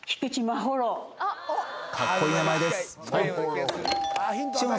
かっこいい名前です塩野